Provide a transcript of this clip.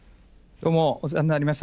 どうもお世話になりました。